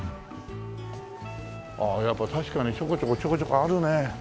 ああやっぱ確かにちょこちょこちょこちょこあるね。